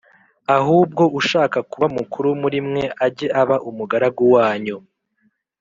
ahubwo ushaka kuba mukuru muri mwe ajye aba umugaragu wanyu